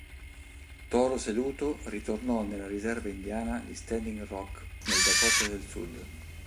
Toro Seduto ritornò nella Riserva Indiana di Standing Rock nel Dakota del Sud.